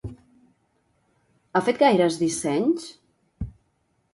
Ha fet gaires dissenys?